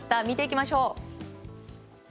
見ていきましょう。